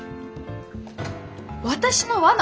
私の罠？